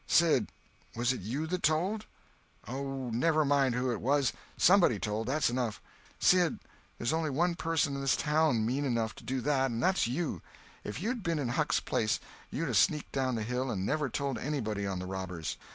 "Sid, was it you that told?" "Oh, never mind who it was. Somebody told—that's enough." "Sid, there's only one person in this town mean enough to do that, and that's you. If you had been in Huck's place you'd 'a' sneaked down the hill and never told anybody on the robbers.